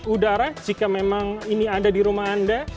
udara jika memang ini ada di rumah anda